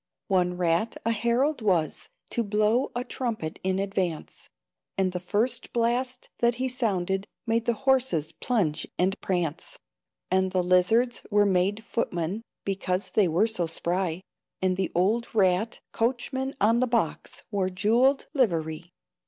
One rat a herald was, to blow A trumpet in advance, And the first blast that he sounded Made the horses plunge and prance; And the lizards were made footmen, Because they were so spry; And the old rat coachman on the box Wore jeweled livery.